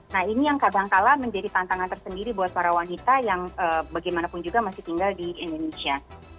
nah ini yang kadangkala menjadi tantangan tersendiri buat para wanita yang bagaimanapun juga masih tinggal di indonesia